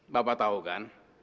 bapak tahu kan